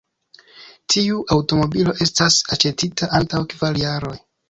Tiu aŭtomobilo estis aĉetita antaŭ kvar jaroj.